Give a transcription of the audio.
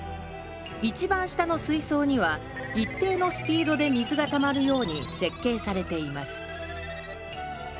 一番下の水槽には一定のスピードで水がたまるように設計されています